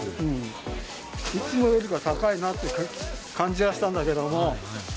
いつもよりか高いなっていう感じはしたんだけども。